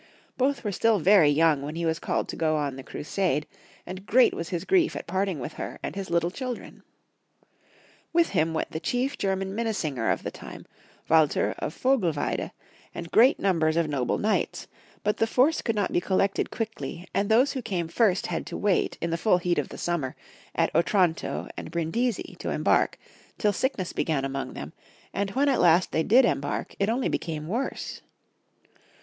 Both were stUl very voung when he was called to go on the crusade 166 Yowng Folk^ History of Q ermany. and great was his grief at parting with her and his little children. With him went the chief German minne singer of the time, Walter of Vogelwiede, and great numbers of noble knights, but the force could not be collected quickly, and those who came first had to wait, in the full heat of the summer, at Otranto and Brindisi to embark, till sickness began among them, and when at last they did embark it only became worse.